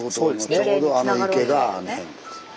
ちょうどあの池があの辺です。